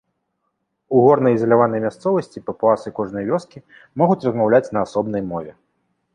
У горнай ізаляванай мясцовасці папуасы кожнай вёскі могуць размаўляць на асобнай мове.